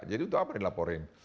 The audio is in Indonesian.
jadi untuk apa dilaporin